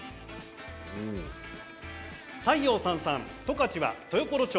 太陽さんさん、十勝の豊頃町